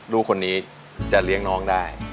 ลูกคนนี้จะเลี้ยงน้องได้